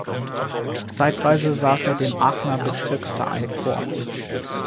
Zeitweise saß er dem Aachener Bezirksverein vor.